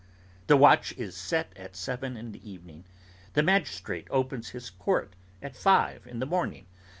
The watch is set at seven in the evening. The magistrate opens his court at five in the morning.